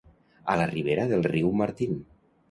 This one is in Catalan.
A la ribera del riu Martin.